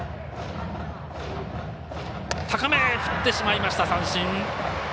高めを振ってしまいました三振。